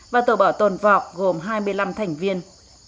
và tổ bảo tồn vọc gồm hai mươi năm thành viên